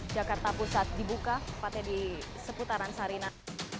jakarta pusat dibuka keempatnya di seputaran sarinah